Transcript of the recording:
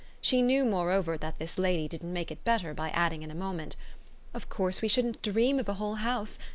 She knew moreover that this lady didn't make it better by adding in a moment: "Of course we shouldn't dream of a whole house.